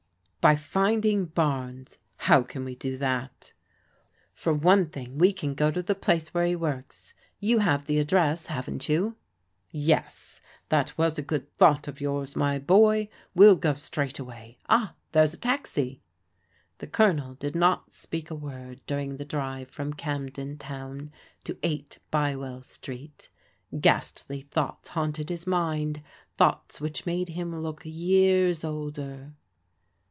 " By finding Barnes." " How can we do that? "" For one thing we can go to the place where he works. You have the address, haven't you ?" "Yes. That was a good thought of yours, my boy. We'll go straight away. Ah, there's a taxi." The Colonel did not speak a word during the drive ^£tvm Camden Town to 8 Bywell Street. Ghastly THE COLONEL VISITS CAMDEN TOWN 141 thoughts haunted his mind, thoughts which made him look years older.